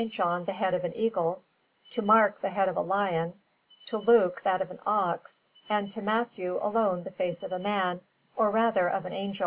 John the head of an eagle, to Mark the head of a lion, to Luke that of an ox, and to Matthew alone the face of a man, or rather, of an angel.